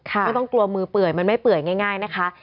ไม่ต้องกลัวมือเปื่อยมันไม่เปื่อยง่ายนะคะ